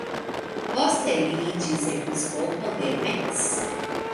Poste li iĝis episkopo de Metz.